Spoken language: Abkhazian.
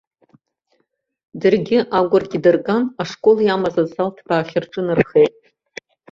Даргьы агәырқь дырган, ашкол иамаз азал ҭбаахь рҿынархеит.